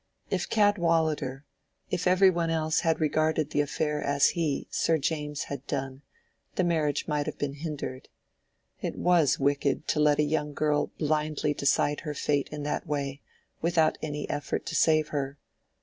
If Cadwallader—if every one else had regarded the affair as he, Sir James, had done, the marriage might have been hindered. It was wicked to let a young girl blindly decide her fate in that way, without any effort to save her.